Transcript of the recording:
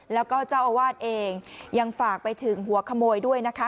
แล้วก็เจ้าอาวาสเองยังฝากไปถึงหัวขโมยด้วยนะคะ